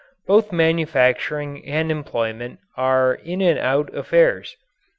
Both manufacturing and employment are in and out affairs.